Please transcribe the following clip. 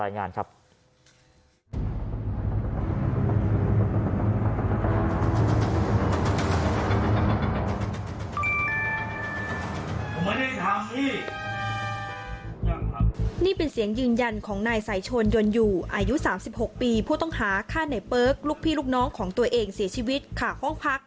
นี่เป็นเสียงยืนยันของนายสายชนยนต์อยู่อายุ๓๖ปีผู้ต้องหาฆ่าในเปิ๊กลูกพี่ลูกน้องของตัวเองเสียชีวิตค่ะห้องพัก